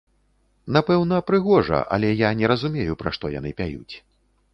Напэўна, прыгожа, але я не разумею, пра што яны пяюць.